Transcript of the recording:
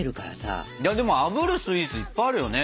いやでもあぶるスイーツいっぱいあるよね。